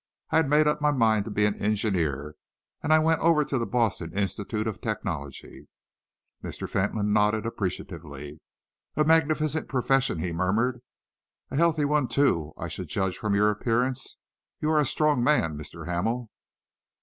"I had made up my mind to be an engineer, and I went over to the Boston Institute of Technology." Mr. Fentolin nodded appreciatively. "A magnificent profession," he murmured. "A healthy one, too, I should judge from your appearance. You are a strong man, Mr. Hamel."